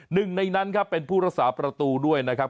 หนึ่งในนั้นครับเป็นผู้รักษาประตูด้วยนะครับ